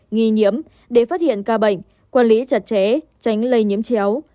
nghi nhiễm để phát hiện ca bệnh quản lý chặt chẽ tránh lây nhiễm chéo